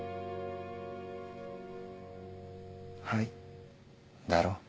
「はい」だろ？